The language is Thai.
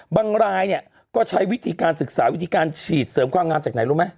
รายเนี่ยก็ใช้วิธีการศึกษาวิธีการฉีดเสริมความงามจากไหนรู้ไหม